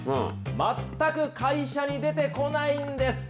全く会社に出てこないんです。